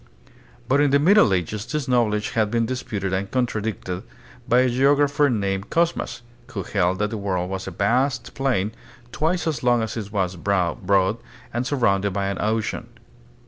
But in the Middle Ages this knowledge had been disputed and contradicted by a geographer named Cosmas, who held that the world was a vast plane, twice as long as it was broad and surrounded by an ocean.